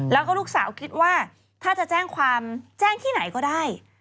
แล้วก็ลูกสาวคิดว่าถ้าจะแจ้งความแจ้งที่ไหนก็ได้